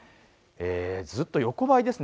ずっと横ばいですね。